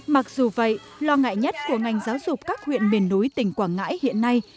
mặc dù vậy lo ngại nhất của ngành giáo dục các huyện miền núi tỉnh quảng ngãi hiện nay